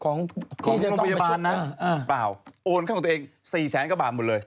ของของโรงพยาบาลนะเปล่าโอนเข้าของตัวเองสี่แสนกว่าบาทหมดเลย